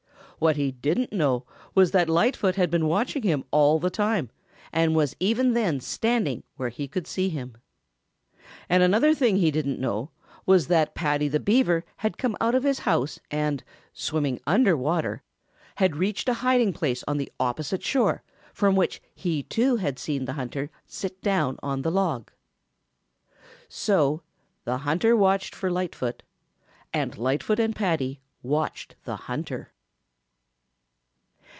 What he didn't know was that Lightfoot had been watching him all the time and was even then standing where he could see him. And another thing he didn't know was that Paddy the Beaver had come out of his house and, swimming under water, had reached a hiding place on the opposite shore from which he too had seen the hunter sit down on the log. So the hunter watched for Lightfoot, and Lightfoot and Paddy watched the hunter.